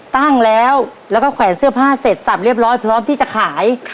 ตั้งแล้วแล้วก็แขวนเสื้อผ้าเสร็จสับเรียบร้อยพร้อมที่จะขาย